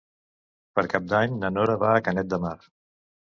Per Cap d'Any na Nora va a Canet de Mar.